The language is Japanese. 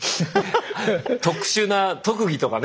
特殊な特技とかね。